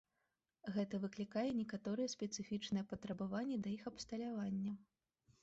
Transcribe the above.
Гэта выклікае некаторыя спецыфічныя патрабаванні да іх абсталявання.